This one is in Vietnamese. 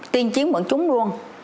tuyên chiến bọn chúng luôn